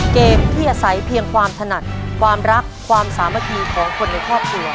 เกมที่อาศัยเพียงความถนัดความรักความสามัคคีของคนในครอบครัว